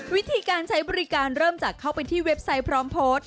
วิธีการใช้บริการเริ่มจากเข้าไปที่เว็บไซต์พร้อมโพสต์